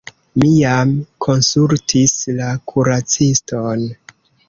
Mi jam konsultis la kuraciston.